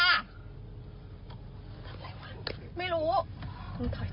อ้าวนี่คุณผู้ชมดูนี่